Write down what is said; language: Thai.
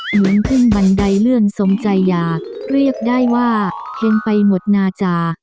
เหมือนขึ้นบันไดเลื่อนสมใจอยากเรียกได้ว่าเห็นไปหมดนาจา